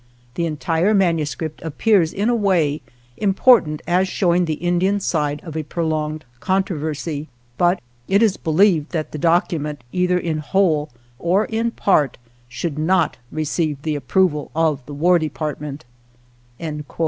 The entire manu script appears in a way important as showing the Indian side of a prolonged controversy, but it is believed that the document, either in whole or in part, should not receive the approval of the War De partment."